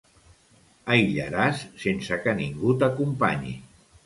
Aïllaràs sense que ningú t'acompanyi.